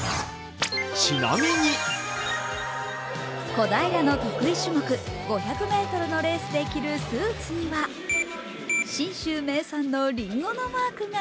小平の得意種目５００ｍのレースで着るスーツには信州名産のりんごのマークが。